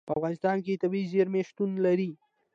په افغانستان کې طبیعي زیرمې شتون لري.